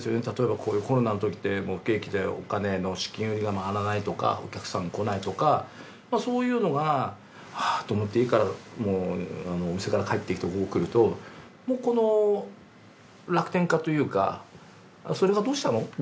例えばこういうコロナのときって不景気でお金の資金繰りが回らないとかお客さん来ないとかそういうのがああと思ってお店から帰ってきてここ来るともうこの楽天家というかそれがどうしたの？